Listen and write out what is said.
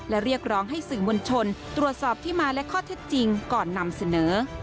และเรียกร้องให้สื่อมวลชนตรวจสอบที่มาและข้อเท็จจริงก่อนนำเสนอ